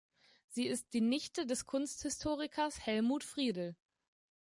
Sie ist die Nichte des Kunsthistorikers Helmut Friedel.